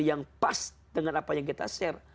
yang pas dengan apa yang kita share